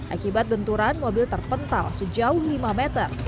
akibat benturan mobil terpental sejauh lima meter